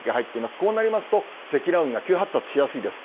こうなりますと、積乱雲が急発達しやすいです。